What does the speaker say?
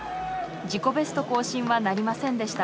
自己ベスト更新はなりませんでした。